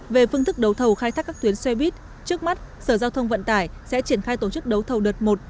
về phương thức đấu thầu khai thác các tuyến xe buýt trước mắt sở giao thông vận tải sẽ triển khai tổ chức đấu thầu đợt một